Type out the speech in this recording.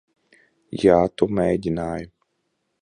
Jā, tu mēģināji.